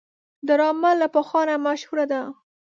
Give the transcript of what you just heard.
ډرامه له پخوا نه مشهوره ده